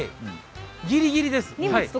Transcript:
ギリギリです。